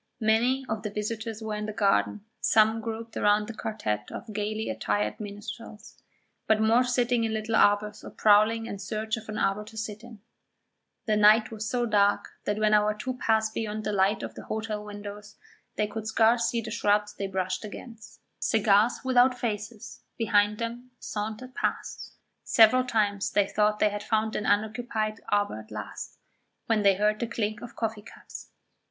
Many of the visitors were in the garden, some grouped round a quartet of gaily attired minstrels, but more sitting in little arbours or prowling in search of an arbour to sit in; the night was so dark that when our two passed beyond the light of the hotel windows they could scarce see the shrubs they brushed against; cigars without faces behind them sauntered past; several times they thought they had found an unoccupied arbour at last, when they heard the clink of coffee cups.